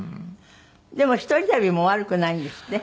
でも一人旅も悪くないんですって？